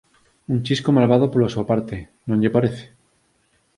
Un chisco malvado pola súa parte, ¿non lle parece?